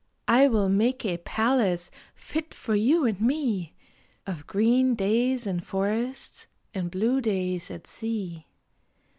I will make a palace fit for you and me, Of green days in forests and blue days at sea.